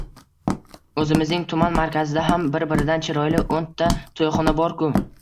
O`zimizning tuman markazida ham bir-biridan chiroyli o`nta to`yxona bor-ku